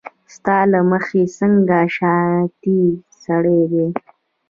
ستا له مخې څنګه شانتې سړی دی